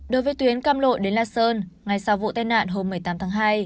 đối với tuyến cam lộ đến la sơn ngay sau vụ tai nạn hôm một mươi tám tháng hai